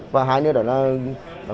và hai nữa đó là